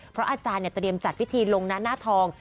เพราะอาจารย์เตรียมจัดพิธีลงหน้าทอง